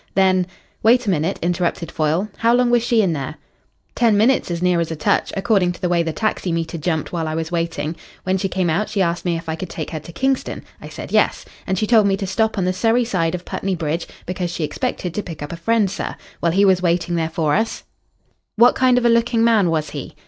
Then " "Wait a minute," interrupted Foyle. "How long was she in there?" "Ten minutes as near as a touch, according to the way the taximeter jumped while I was waiting. When she came out she asked me if I could take her to Kingston. I said yes. And she told me to stop on the Surrey side of Putney Bridge, because she expected to pick up a friend, sir. Well, he was waiting there for us " "What kind of a looking man was he?"